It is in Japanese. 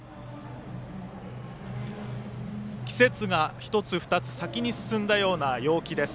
季節が１つ２つ先に進んだような陽気です